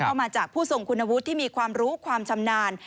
ก็มาจากผู้ทรงคุณวุฒิที่มีความรู้ความชำนาญ